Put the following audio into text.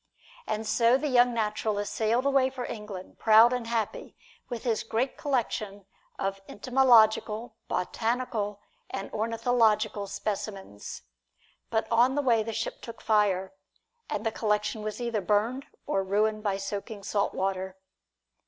And so the young naturalist sailed away for England, proud and happy, with his great collection of entomological, botanical and ornithological specimens. But on the way the ship took fire, and the collection was either burned or ruined by soaking salt water.